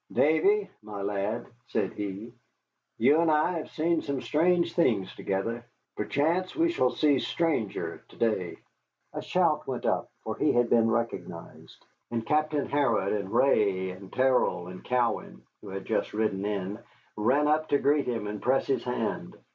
"Davy, my lad," said he, "you and I have seen some strange things together. Perchance we shall see stranger to day." A shout went up, for he had been recognized. And Captain Harrod and Ray and Terrell and Cowan (who had just ridden in) ran up to greet him and press his hand.